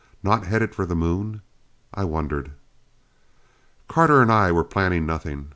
Not headed for the Moon? I wondered. Carter and I were planning nothing.